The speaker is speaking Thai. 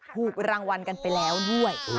ถูกรางวัลกันไปแล้วด้วย